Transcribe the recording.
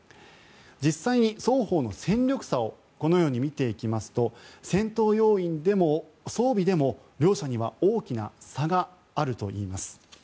実際に双方の戦力差を見ていきますと戦闘要員でも装備でも、両者には大きな差があるといいます。